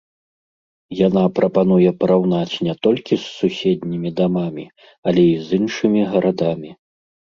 Яна прапануе параўнаць не толькі з суседнімі дамамі, але і з іншымі гарадамі.